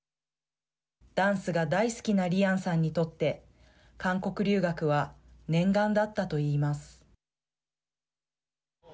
ダンスが大好きなリヤンさんにとって韓国留学は念願だったといいます。